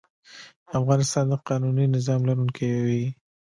افغانستان د قانوني نظام لرونکی وي.